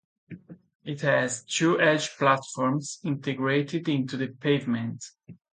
It has two edge platforms integrated into the pavement.